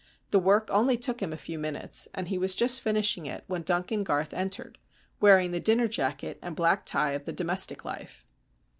The work only took him a few minutes, and he was just finishing it when Duncan Garth entered, wearing the dinner jacket and black tie of the domestic life.